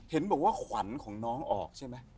เห็นบอกว่าขวัญของน้องออกใช่ไหม